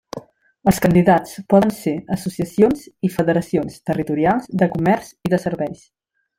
Els candidats poden ser associacions i federacions territorials de comerç i de serveis.